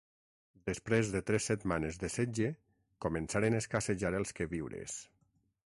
Després de tres setmanes de setge començaren a escassejar els queviures.